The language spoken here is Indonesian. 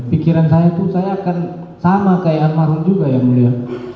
pikiran saya itu saya akan sama kayak almarhum juga ya mulia